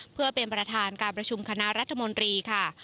เพื่อเป็นประธานการประชุมคณะรัฐมนตรีค่ะ